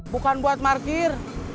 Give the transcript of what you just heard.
bukan buat market